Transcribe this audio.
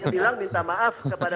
bilang minta maaf kepada